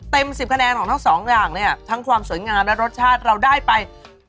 ๑๐คะแนนของทั้งสองอย่างเนี่ยทั้งความสวยงามและรสชาติเราได้ไป